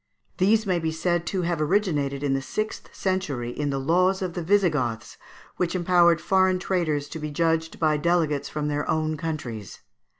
These may be said to have originated in the sixth century in the laws of the Visigoths, which empowered foreign traders to be judged by delegates from their own countries.